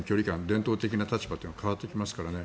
伝統的な立場というのが変わってきますからね。